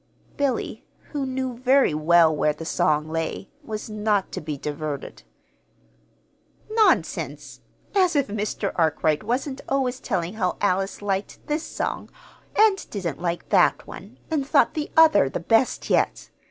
Billy, who knew very well where the song lay, was not to be diverted. "Nonsense! As if Mr. Arkwright wasn't always telling how Alice liked this song, and didn't like that one, and thought the other the best yet!